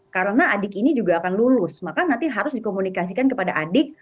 karena adik ini juga akan lulus maka nanti harus dikomunikasikan kepada adik